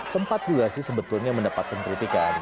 sempat juga sih sebetulnya mendapatkan kritikan